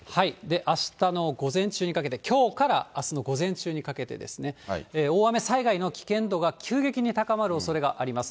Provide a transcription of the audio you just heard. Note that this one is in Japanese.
あしたの午前中にかけて、きょうからあすの午前中にかけてですね、大雨災害の危険度が急激に高まるおそれがあります。